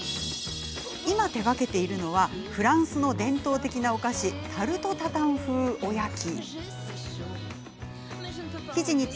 今、手がけているのはフランスの伝統的なお菓子タルトタタン風おやきです。